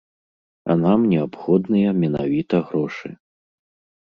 А нам неабходныя менавіта грошы.